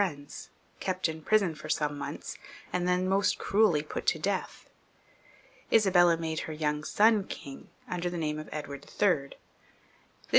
151 Mends, kept in prison for some months, and then most cruelly put to death. Isabella made her young son king under the name of Edward III.